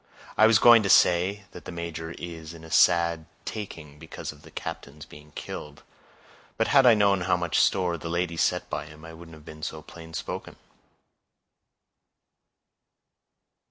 I was going to say, that the major is in a sad taking because of the captain's being killed; but had I known how much store the lady set by him, I wouldn't have been so plain spoken."